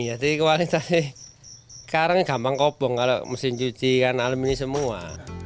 jadi kebalik tadi sekarang gampang kopong kalau mesin cuci kan almini semua